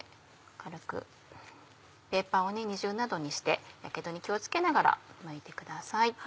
軽くペーパーを二重などにしてヤケドに気を付けながらむいてください。